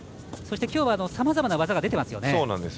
きょうはさまざまな技が出ていますよね。